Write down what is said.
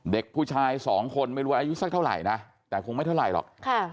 เด็กผู้ชายสองคนไม่รู้อายุสักเท่าไหร่นะแต่คงไม่เท่าไหร่หรอก